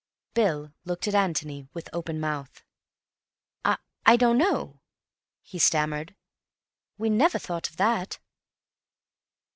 Bill looked at Antony with open mouth. "I—I don't know," he stammered. "We never thought of that."